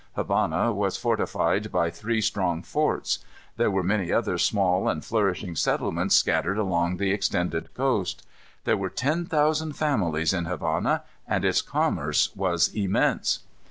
Havana was fortified by three strong forts. There were many other small and flourishing settlements scattered along the extended coast. There were ten thousand families in Havana, and its commerce was immense.